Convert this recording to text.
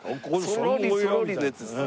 「そろりそろり」ってやつですね。